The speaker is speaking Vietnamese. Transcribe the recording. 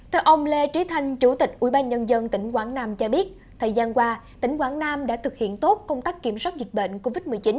theo ông lê trí thanh chủ tịch ubnd tỉnh quảng nam cho biết thời gian qua tỉnh quảng nam đã thực hiện tốt công tác kiểm soát dịch bệnh covid một mươi chín